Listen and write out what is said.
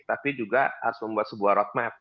tapi juga harus membuat sebuah roadmap